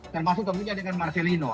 termasuk kemudian ada marcelino